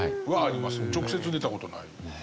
直接出た事ない。